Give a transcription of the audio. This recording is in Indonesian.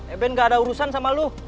eh ben gak ada urusan sama lu